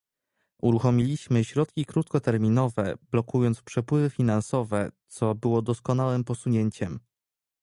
Uruchomiliśmy środki krótkoterminowe, blokując przepływy finansowe, co było doskonałym posunięciem